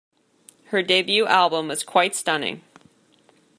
Her debut album was quite stunning.